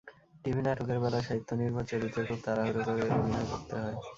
TV নাটকের বেলায় সাহিত্যনির্ভর চরিত্রে খুব তাড়াহুড়ো করে অভিনয় করতে হয়।